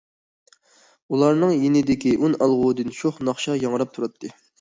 ئۇلارنىڭ يېنىدىكى ئۈنئالغۇدىن شوخ ناخشا ياڭراپ تۇراتتى.